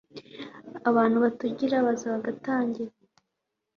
abantu batugira baza bagatangira